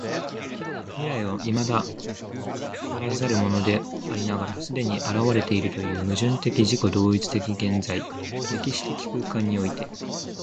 未来は未だ来らざるものでありながら既に現れているという矛盾的自己同一的現在（歴史的空間）において、